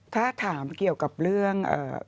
ถ้าถามเกี่ยวกับเรื่อง